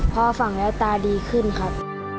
ก็ฝั่งให้ตาดีขึ้นครับ